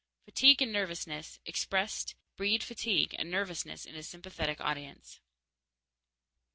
Fatigue and nervousness, expressed, breed fatigue and nervousness in a sympathetic audience.